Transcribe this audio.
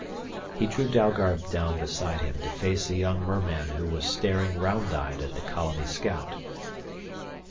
He drew Dalgard down beside him to face a young merman who was staring round eyed at the colony scout.